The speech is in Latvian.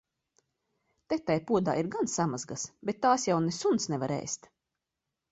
Te tai podā ir gan samazgas, bet tās jau ne suns nevar ēst.